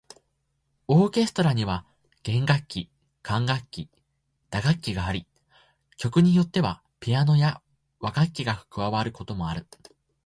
オーケストラには弦楽器、管楽器、打楽器があり、曲によってはピアノや和楽器が加わることもある。